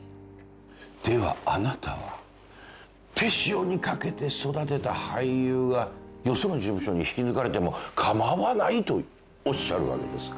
ではあなたは手塩にかけて育てた俳優がよその事務所に引き抜かれても構わないとおっしゃるわけですか。